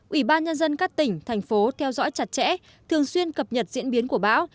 ủy ban nhân dân các tỉnh thành phố theo dõi chặt chẽ thường xuyên cập nhật diễn biến của bão